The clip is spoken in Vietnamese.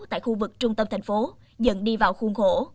tại khu vực trung tâm thành phố dần đi vào khuôn khổ